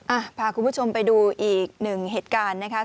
พาคุณผู้ชมไปดูอีกหนึ่งเหตุการณ์นะคะ